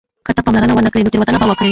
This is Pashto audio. که ته پاملرنه ونه کړې نو تېروتنه به وکړې.